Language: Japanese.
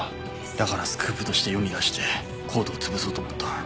だからスクープとして世に出してＣＯＤＥをつぶそうと思った。